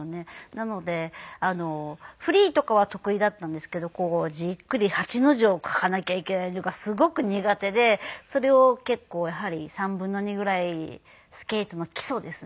なのでフリーとかは得意だったんですけどじっくり８の字を書かなきゃいけないのがすごく苦手でそれを結構やはり３分の２ぐらいスケートの基礎ですね。